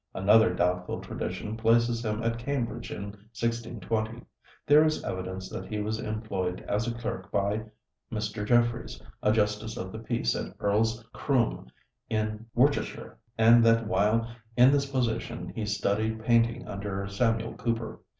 Another doubtful tradition places him at Cambridge in 1620. There is evidence that he was employed as a clerk by Mr. Jeffreys, a justice of the peace at Earl's Croombe in Worcestershire, and that while in this position he studied painting under Samuel Cooper.